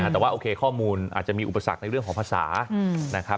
แต่ว่าโอเคข้อมูลอาจจะมีอุปสรรคในเรื่องของภาษานะครับ